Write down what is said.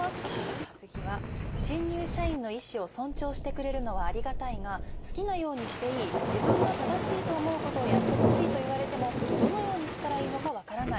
次は新入社員の意思を尊重してくれるのはありがたいが好きなようにしていい自分の正しいと思うことをやってほしいと言われてもどのようにしたらいいのかわからない。